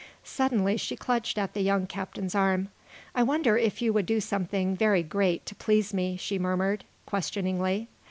Suddenly she clutched at the young captain's arm. "I wonder if you would do something very great, to please me?" she murmured, questioningly.